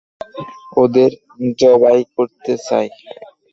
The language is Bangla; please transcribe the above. ওদের জবাই করতে চাই।